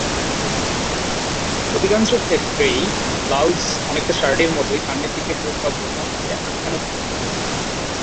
অধিকাংশ ক্ষেত্রেই ব্লাউজ অনেকটা শার্টের মতোই সামনের দিকে হুক বা বোতাম দিয়ে আটকানো থাকে।